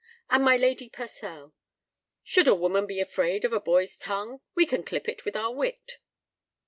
"And my Lady Purcell?" "Should a woman be afraid of a boy's tongue? We can clip it with our wit."